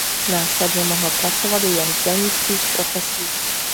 Následně mohl pracovat jen v dělnických profesích.